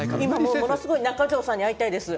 今ものすごく中城さんに会いたいです。